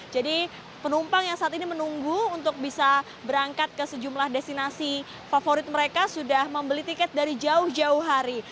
jadi penumpang yang saat ini menunggu untuk bisa berangkat ke sejumlah destinasi favorit mereka sudah membeli tiket dari jauh jauh hari